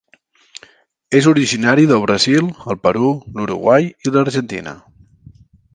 És originari del Brasil, el Perú, l'Uruguai i l'Argentina.